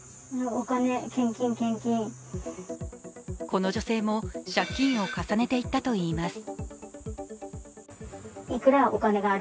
この女性も借金を重ねていったといいます。